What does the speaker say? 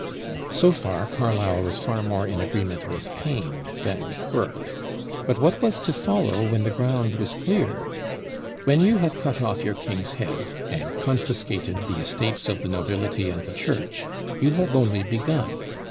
So far, Carlyle was far more in agreement with Paine than with Burke. But what was to follow when the ground was cleared? When you have cut off your king's head and confiscated the estates of the nobility and the church, you have only begun.